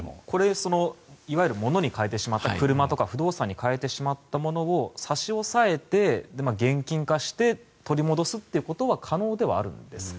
いわゆる物に変えてしまった車とか不動産に変えてしまったものを差し押さえて、現金化して取り戻すということは可能ではあるんですか。